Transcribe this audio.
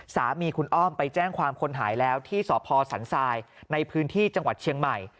สามีคุณอ้อมไปแจ้งความคนหายแล้วที่สพสันทรายในพื้นที่จังหวัดเชียงใหม่